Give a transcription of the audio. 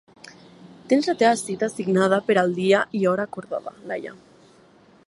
Tens la teva cita assignada per al dia i hora acordats, Laia.